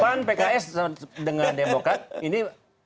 pan pks dengan demokrat ini